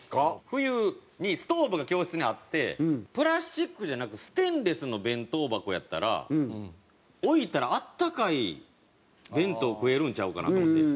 冬にストーブが教室にあってプラスチックじゃなくステンレスの弁当箱やったら置いたら温かい弁当食えるんちゃうかなと思って。